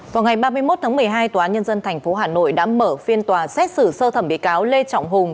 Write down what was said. vào ngày ba mươi một tháng một mươi hai tòa án nhân dân tp hà nội đã mở phiên tòa xét xử sơ thẩm bị cáo lê trọng hùng